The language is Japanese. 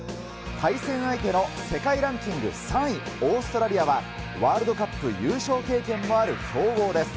対戦相手の世界ランキング３位、オーストラリアは、ワールドカップ優勝経験もある強豪です。